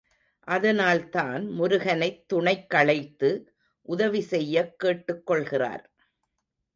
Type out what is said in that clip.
அதனால்தான் முருகனைத் துணைக்கழைத்து உதவி செய்ய கேட்டுக் கொள்கிறார்.